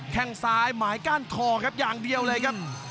แค่งซ้ายหมายก้านคอครับอย่างเดียวเลยครับ